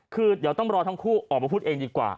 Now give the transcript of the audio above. คือเดี๋ยวต้องรอทั้งคู่ออกมาพูดเองดีกว่า